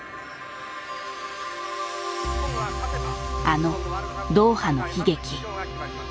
あのドーハの悲劇。